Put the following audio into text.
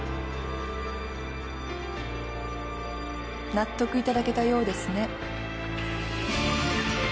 納得いただけたようですね。